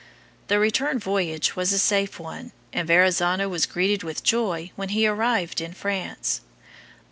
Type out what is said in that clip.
The return voyage was a safe one, and Verrazzano was greeted with joy when he arrived in France.